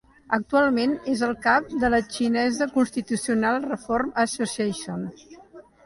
Actualment és el cap de la Chinese Constitutional Reform Association.